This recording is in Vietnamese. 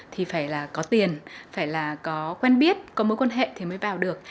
thì phải là có tiền phải là có quen biết có mối quan hệ thì mới vào được